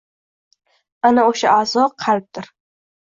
Ana o‘sha a’zo qalbdir.